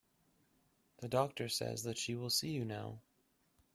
The doctor says that she will see you now.